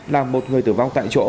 làm một người tử vong tại chỗ